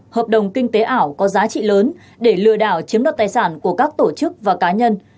hợp đồng kinh tế ảo có giá trị lớn để lừa đảo chiếm đoạt tài sản của các tổ chức và cá nhân